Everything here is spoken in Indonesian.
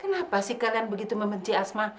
kenapa sih kalian begitu membenci asma